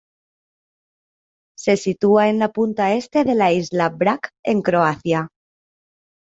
Se sitúa en la punta este de la isla de Brac en Croacia.